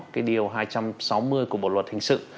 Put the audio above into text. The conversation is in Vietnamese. cái điều hai trăm sáu mươi của bộ luật hình sự